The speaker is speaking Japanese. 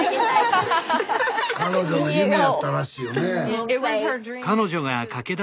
彼女の夢やったらしいよね。